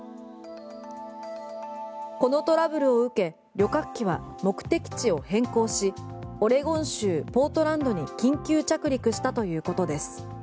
このトラブルを受け、旅客機は目的地を変更しオレゴン州ポートランドに緊急着陸したということです。